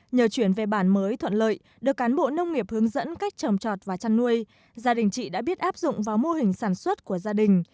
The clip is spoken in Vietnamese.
nhờ chuyển về bản mới thuận lợi được cán bộ nông nghiệp hướng dẫn cách trồng trọt và chăn nuôi gia đình chị đã biết áp dụng vào mô hình sản xuất của gia đình